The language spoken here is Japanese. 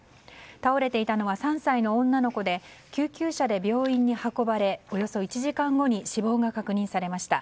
倒れていたのは３歳の女の子で救急車で病院に運ばれおよそ１時間後に死亡が確認されました。